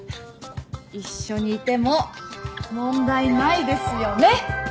一緒にいても問題ないですよね？